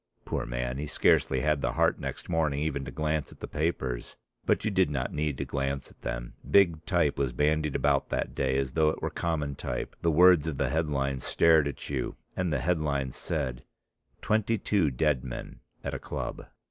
Poor man, he scarcely had the heart next morning even to glance at the papers, but you did not need to glance at them, big type was bandied about that day as though it were common type, the words of the headlines stared at you; and the headlines said: Twenty Two Dead Men at a Club.